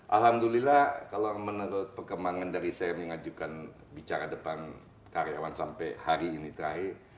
alhamdulillah kalau menurut perkembangan dari saya mengajukan bicara depan karyawan sampai hari ini terakhir